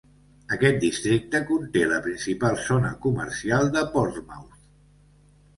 Aquest districte conté la principal zona comercial de Portsmouth.